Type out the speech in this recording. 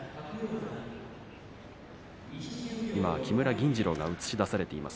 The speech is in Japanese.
銀治郎が映し出されています。